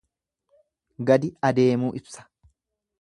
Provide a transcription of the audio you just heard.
Gadi adeemuu ibsa.